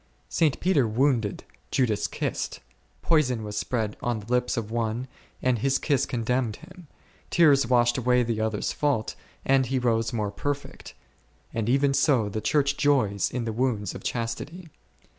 St. Peter wounded, Judas kissed ; poison was spread on the lips of one, and his kiss condemned him ; tears washed away the other's fault, and he rose more perfect : and even so, the Church joys in the wounds of chastity <J.